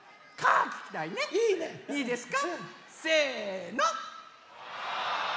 いいですか？